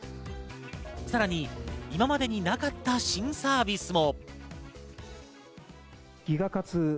さらに今までになかった新サービスも。